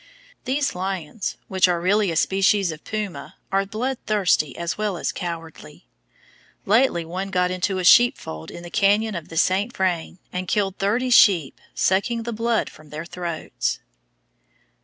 These lions, which are really a species of puma, are bloodthirsty as well as cowardly. Lately one got into a sheepfold in the canyon of the St. Vrain, and killed thirty sheep, sucking the blood from their throats.